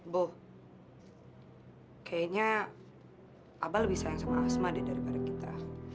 bu kayaknya abal lebih sayang sama asma deh daripada kita